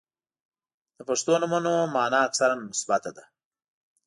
• د پښتو نومونو مانا اکثراً مثبته ده.